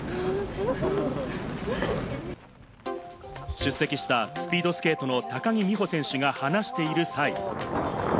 出席したスピードスケートの高木美帆選手が話している際。